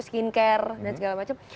skincare dan segala macem